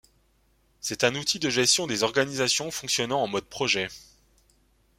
C'est un outil de gestion des organisations fonctionnant en mode projet.